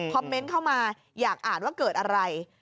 เมนต์เข้ามาอยากอ่านว่าเกิดอะไร